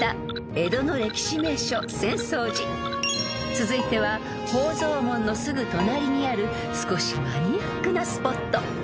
［続いては宝蔵門のすぐ隣にある少しマニアックなスポット］